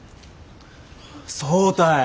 そうたい！